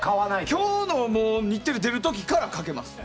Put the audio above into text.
今日の日テレ出る時からかけます。